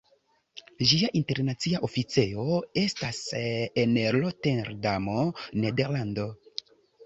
Ĝia internacia oficejo estas en Roterdamo, Nederlando.